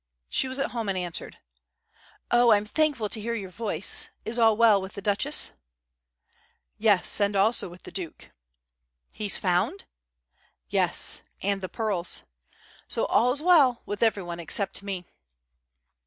She was at home, and answered: "Oh, I'm thankful to hear your voice. Is all well with the Duchess?" "Yes, also with the Duke." "He's found?" "Yes. And the pearls. So all's well with everyone except me."